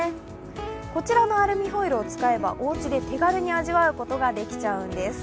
こちらのアルミホイルを使えばおうちで手軽に味わえちゃうんです。